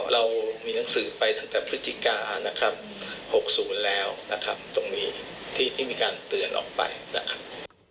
เรามีหนังสือไปตั้งแต่พฤศจิกานะครับ๖๐แล้วนะครับตรงนี้ที่มีการเตือนออกไปนะครับ